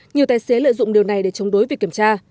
nhiều tài xế lợi dụng điều này để chống đối việc kiểm tra